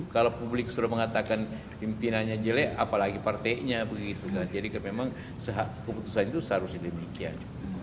kalau publik sudah mengatakan pimpinannya jelek apalagi partainya begitu jadi memang keputusan itu seharusnya demikian